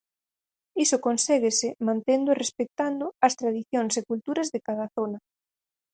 Iso conséguese mantendo e respectando as tradicións e culturas de cada zona.